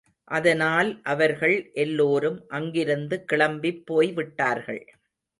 அதனால் அவர்கள் எல்லோரும் அங்கிருந்து கிளம்பிப் போய்விட்டார்கள்.